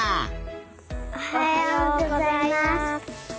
おはようございます。